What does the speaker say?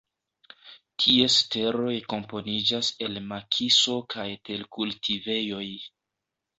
Ties teroj komponiĝas el makiso kaj terkultivejoj.